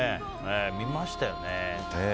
見ましたよね。